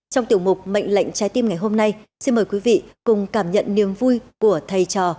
trong tiểu mục mệnh lệnh trái tim ngày hôm nay xin mời quý vị cùng cảm nhận niềm vui của thầy trò